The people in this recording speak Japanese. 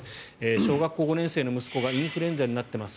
小学校５年生の息子がインフルエンザになっています。